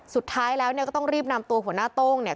สุดท้ายแล้วเนี่ยก็ต้องรีบนำตัวหัวหน้าโต้งเนี่ย